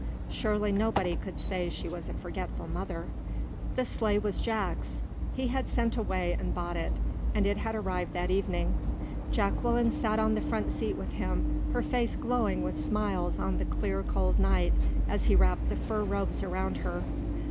Surely nobody could say she was a forgetful mother. The sleigh was Jack's. He had sent away and bought it, and it had arrived that evening. Jacqueline sat on the front seat with him, her face glowing with smiles on the clear, cold night, as he wrapped the fur robes around her.